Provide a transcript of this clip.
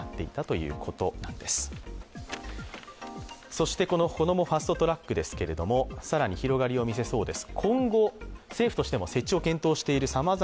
そしてこのこどもファスト・トラックですが、更に広がりを見せそうです。